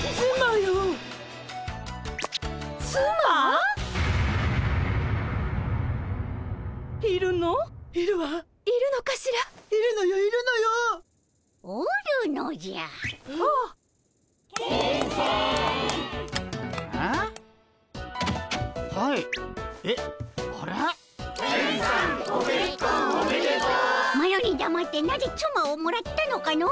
マロにだまってなぜつまをもらったのかの！